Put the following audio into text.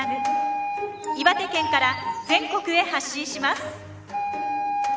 岩手県から全国へ発信します。